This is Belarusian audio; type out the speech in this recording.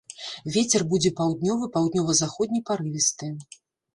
Вецер будзе паўднёвы, паўднёва-заходні парывісты.